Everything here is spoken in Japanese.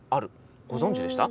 ご存じでした？